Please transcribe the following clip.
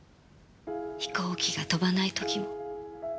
飛行機が飛ばない時も。